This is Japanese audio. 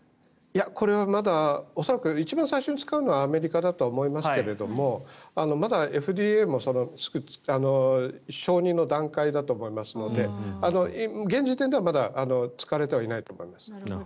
これはまだ恐らく一番最初に使うのはアメリカだと思いますがまだＦＤＡも承認の段階だと思いますので現時点ではまだ使われてはいないと思います。